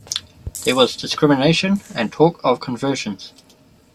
There was discrimination and talk of conversions.